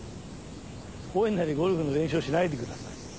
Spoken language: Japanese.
「公園内ではゴルフの練習をしないで下さい」。